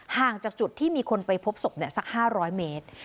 ห่างจากจุดที่มีคนไปพบศพสัก๕๐๐เมตร